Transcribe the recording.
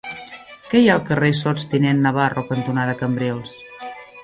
Què hi ha al carrer Sots tinent Navarro cantonada Cambrils?